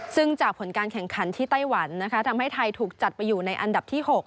ซึ่งจากผลการแข่งขันที่ไต้หวันนะคะทำให้ไทยถูกจัดไปอยู่ในอันดับที่๖